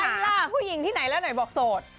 อะไรล่ะผู้หญิงที่ไหนแล้วหน่อยบอกโสด